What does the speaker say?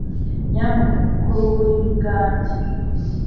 Nyamuneka kora uburiri bwanjye